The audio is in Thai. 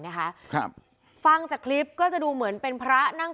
ในตำบวนศาสตร์ที่ได้มาจากอดีตคนใกล้ชิดเจ้าอาวาสวัดแห่งหนึ่ง